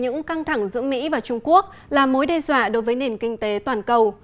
những căng thẳng giữa mỹ và trung quốc là mối đe dọa đối với nền kinh tế toàn cầu